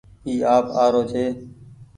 اي آپ آرو ڇي